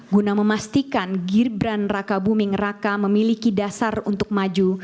guna memastikan gibran raka buming raka memiliki dasar untuk maju